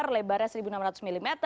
lebarnya satu enam ratus mm